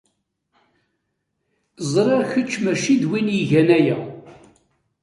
Ẓriɣ kečč mačči d win i igan aya.